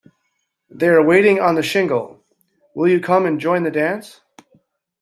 They are waiting on the shingle—will you come and join the dance?